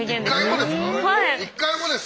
１回もですか？